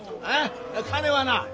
金はな